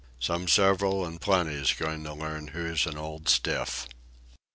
Some several and plenty's going to learn who's an old stiff."